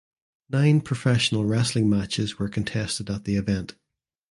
Nine professional wrestling matches were contested at the event.